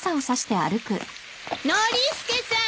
ノリスケさん！